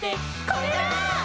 「これだー！」